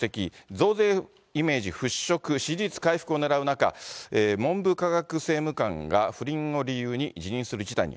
増税イメージ払拭、支持率回復をねらう中、文部科学政務官が不倫を理由に辞任する事態に。